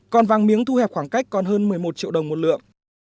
còn vàng miếng thu hẹp khoảng cách còn hơn một mươi một triệu đồng một lượng